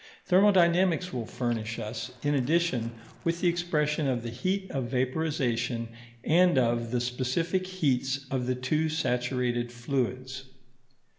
Thermodynamics will furnish us, in addition, with the expression of the heat of vaporization and of, the specific heats of the two saturated fluids.